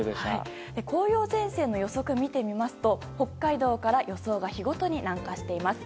紅葉前線の予測を見てみますと北海道から、予想が日ごとに南下していきます。